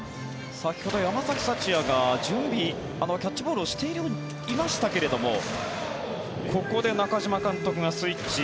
先ほど山崎福也が、準備キャッチボールをしていましたけどここで中嶋監督がスイッチ。